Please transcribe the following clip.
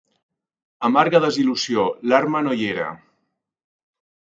Amarga desil·lusió! L'arma no hi era.